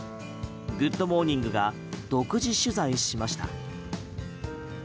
「グッド！モーニング」が独自取材しました。